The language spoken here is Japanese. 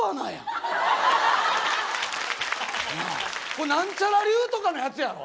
これなんちゃら流とかのやつやろ？